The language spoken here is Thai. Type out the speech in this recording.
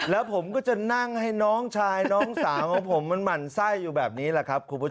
แล้วผมก็จะนั่งให้น้องชายน้องสาวของผมมันหมั่นไส้อยู่แบบนี้แหละครับคุณผู้ชม